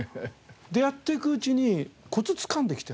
でやってくうちにコツつかんできてね。